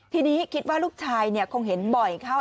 ทีนี้คิดว่าลูกชายคงเห็นบ่อยเข้า